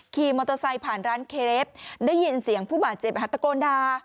ขี่มอเตอร์ไซค์ผ่านร้านเครฟได้ยินเสียงผู้บาดเจ็บตะโกนดา